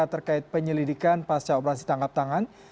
terkait penyelidikan pasca operasi tangkap tangan